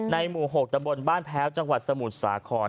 หมู่๖ตะบนบ้านแพ้วจังหวัดสมุทรสาคร